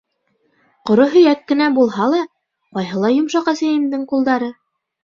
Ҡоро һөйәк кенә булһа ла, ҡайһылай йомшаҡ әсәйемдең ҡулдары...